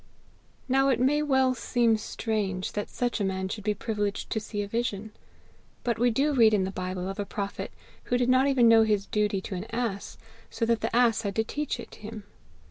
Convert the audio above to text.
"Now it may well seem strange that such a man should be privileged to see a vision; but we do read in the Bible of a prophet who did not even know his duty to an ass, so that the ass had to teach it him.